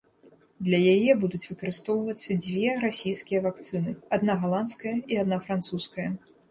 Для яе будуць выкарыстоўвацца дзве расійскія вакцыны, адна галандская і адна французская.